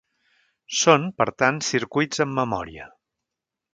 Són, per tant, circuits amb memòria.